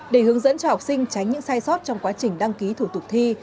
để hướng dẫn cho học sinh tránh những sai sót trong quá trình đăng ký thủ tục thi